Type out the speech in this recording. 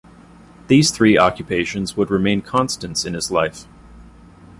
These three occupations would remain constants in his life.